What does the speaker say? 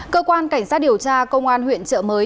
cơ quan cảnh sát điều tra công an huyện trợ mới